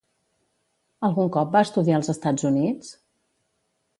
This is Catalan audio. Algun cop va estudiar als Estats Units?